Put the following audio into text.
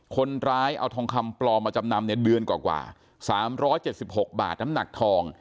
คนร้ายเอาทองคำปลอมมาจำนำเนี่ยเดือนกว่ากว่าสามร้อยเจ็ดสิบหกบาทน้ำหนักทอง